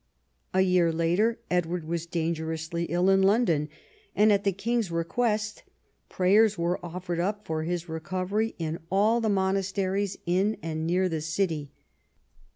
A year later Edward was dangerously ill in London, and, at the King's request, prayers were offered up for his recovery in all the monasteries in and near the city.